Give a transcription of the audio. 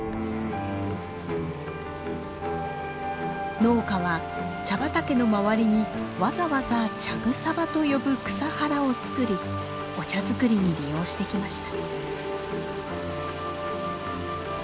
農家は茶畑の周りにわざわざ「茶草場」と呼ぶ草原をつくりお茶作りに利用してきました。